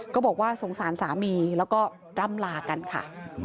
ก็บอกว่าสงสารสามีแล้วก็ร่ำลากันค่ะ